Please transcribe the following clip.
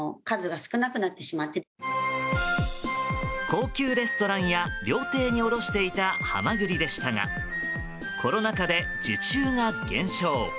高級レストランや料亭に卸していたハマグリでしたがコロナ禍で受注が減少。